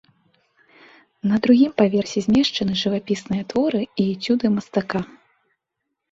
На другім паверсе змешчаны жывапісныя творы і эцюды мастака.